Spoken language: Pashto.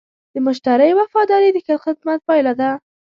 د مشتری وفاداري د ښه خدمت پایله ده.